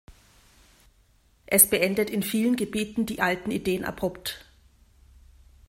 Es beendet in vielen Gebieten die alten Ideen abrupt.